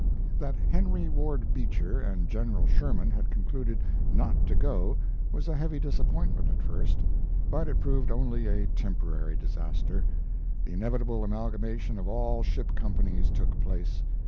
] That Henry Ward Beecher and General Sherman had concluded not to go was a heavy disappointment at first; but it proved only a temporary disaster. The inevitable amalgamation of all ship companies took place.